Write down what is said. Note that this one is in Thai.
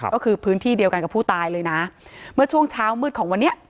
ก็คือพื้นที่เดียวกันกับผู้ตายเลยนะเมื่อช่วงเช้ามืดของวันนี้